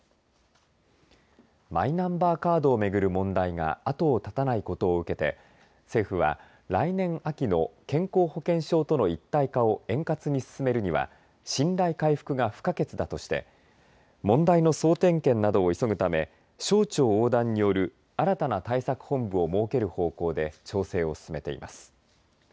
マイナンバーカードを巡る問題が後を絶たないことを受けて政府は来年秋の健康保険証との一体化を円滑に進めるには信頼回復が不可欠だとして問題の総点検などを急ぐため省庁横断による新たな対策本部を設ける方向で調整を進めています。